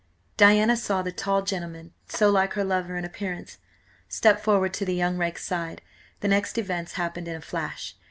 Diana saw the tall gentleman, so like her lover in appearance, step forward to the young rake's side. The next events happened in a flash.